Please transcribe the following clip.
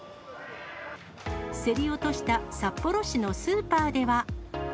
競り落とした札幌市のスーパーでは。